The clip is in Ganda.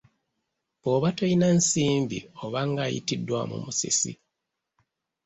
Bwoba toyina nsimbi oba ng'ayitiddwamu musisi.